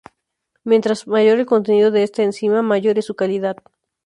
Mientras mayor el contenido de esta enzima, mayor es su calidad.